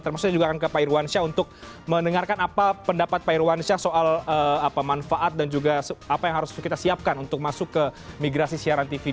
termasuk saya juga akan ke pak irwansyah untuk mendengarkan apa pendapat pak irwansyah soal manfaat dan juga apa yang harus kita siapkan untuk masuk ke migrasi siaran tv